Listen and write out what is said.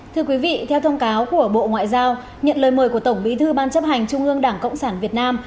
thưa quý vị theo thông cáo của bộ ngoại giao nhận lời mời của tổng bí thư ban chấp hành trung ương đảng cộng sản việt nam